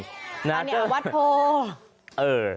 อันนี้อาวัตโภ